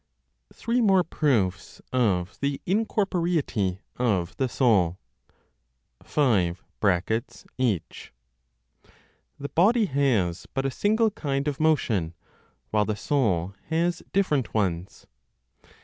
THREE MORE PROOFS OF THE INCORPOREITY OF THE SOUL. 5. (h.) (The body has but a single kind of motion while the soul has different ones.)